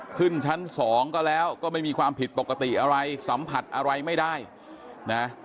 ขึ้นชั้นสองก็แล้วก็ไม่มีความผิดปกติอะไรสัมผัสอะไรไม่ได้นะ